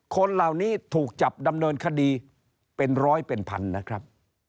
คนเหล่านี้ถูกจับดำเนินคดีเป็นร้อยเป็นพันนะครับ